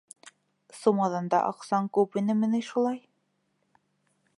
Сумаҙанда аҡсаң күп инеме ни шулай?